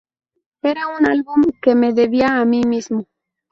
Era un álbum que me debía a mí mismo.